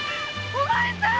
お前さん！